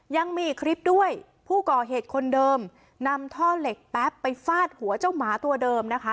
ยังมีอีกคลิปด้วยผู้ก่อเหตุคนเดิมนำท่อเหล็กแป๊บไปฟาดหัวเจ้าหมาตัวเดิมนะคะ